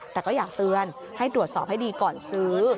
แต่ก็อยากเตือนให้ตรวจสอบให้ดีก่อนซื้อ